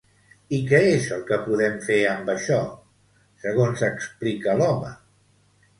I què és el que podem fer amb això, segons explica l'home?